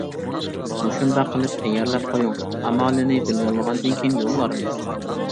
مۇشۇنداق قىلىپ تەييارلاپ قويۇڭ، ئامالىنى بىلىۋالغاندىن كېيىن يوللارمىز.